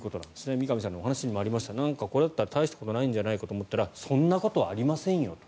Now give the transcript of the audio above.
三上さんのお話にもありましたがこれだけだと大したことないかと思うけどそんなことはありませんよと。